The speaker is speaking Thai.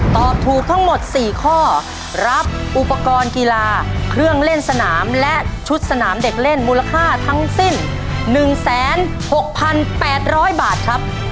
ตอบถูกทั้งหมด๔ข้อรับอุปกรณ์กีฬาเครื่องเล่นสนามและชุดสนามเด็กเล่นมูลค่าทั้งสิ้น๑๖๘๐๐บาทครับ